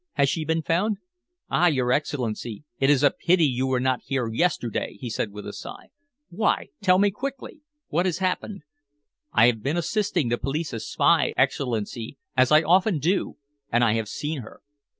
Has she been found?" "Ah! your Excellency. It is a pity you were not here yesterday," he said with a sigh. "Why? Tell me quickly. What has happened?" "I have been assisting the police as spy, Excellency, as I often do, and I have seen her."